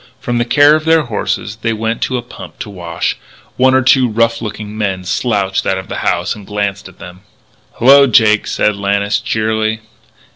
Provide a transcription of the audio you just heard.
From the care of their horses they went to a pump to wash. One or two rough looking men slouched out of the house and glanced at them. "Hallo, Jake," said Lannis cheerily.